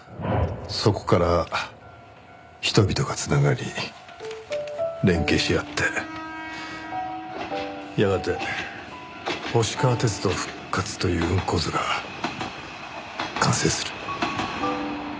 そこから人々が繋がり連係し合ってやがて星川鐵道復活という運行図が完成する。